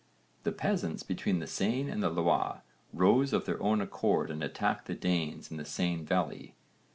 The peasants between the Seine and the Loire rose of their own accord and attacked the Danes in the Seine valley.